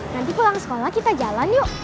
nanti pulang sekolah kita jalan yuk